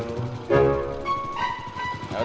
gue kan tukang ojek